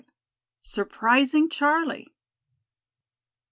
SURPRISING CHARLIE.